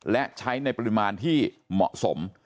และใช้ในปริมาณที่เหมาะสม